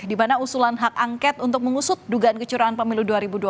di mana usulan hak angket untuk mengusut dugaan kecurangan pemilu dua ribu dua puluh